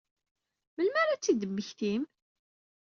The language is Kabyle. Melmi ara ad tt-id-temmektim?